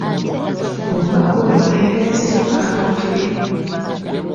Omubaka oyo ayagaliza nnyo abantu be.